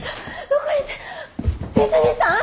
泉さん！？